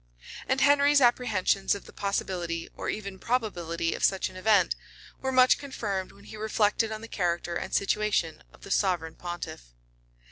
[*] And Henry's apprehensions of the possibility, or even probability, of such an event, were much confirmed when he reflected on the character and situation of the sovereign pontiff.